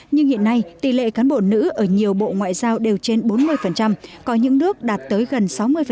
nhưng hiện nay tỷ lệ cán bộ nữ ở nhiều bộ ngoại giao đều trên bốn mươi có những nước đạt tới gần sáu mươi